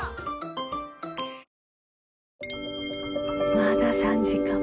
まだ３時間も。